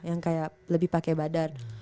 yang kayak lebih pakai badan